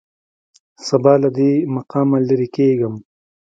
سبا له دې مقامه لېرې کېږم.